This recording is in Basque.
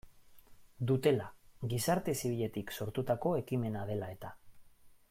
Dutela, gizarte zibiletik sortutako ekimena dela eta.